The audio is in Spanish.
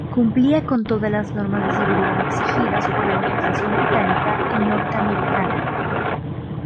Cumplían con todas las normas de seguridad exigidas por la legislación británica y norteamericana.